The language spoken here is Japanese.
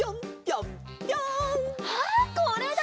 あっこれだ！